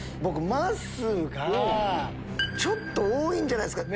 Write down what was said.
まっすーがちょっと多いんじゃないですか。